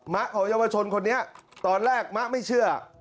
ของเยาวชนคนนี้ตอนแรกมะไม่เชื่อ